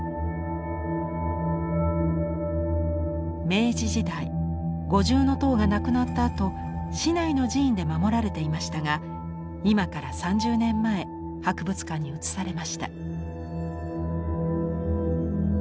明治時代五重塔がなくなったあと市内の寺院で守られていましたが今から３０年前博物館に移されました。